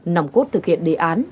nằm cốt thực hiện đề án